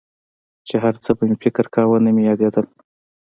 چې هرڅه به مې فکر کاوه نه مې رايادېدل.